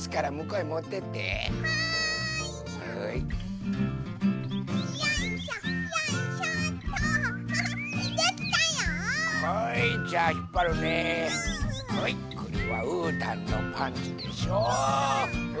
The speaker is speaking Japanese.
はいこれはうーたんのパンツでしょう。